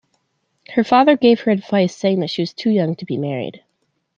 Her father gave her advice saying that she was too young to be married.